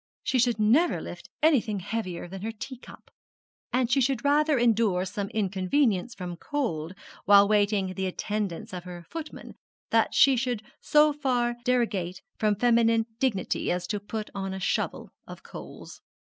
She should never lift anything heavier than her teacup; and she should rather endure some inconvenience from cold while waiting the attendance of her footman than she should so far derogate from feminine dignity as to put on a shovel of coals.